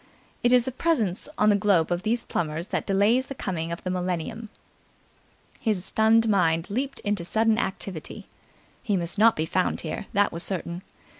It is the presence on the globe of these Plummers that delays the coming of the Millennium. His stunned mind leaped into sudden activity. He must not be found here, that was certain.